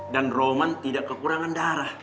dan roman tidak kekurangan darah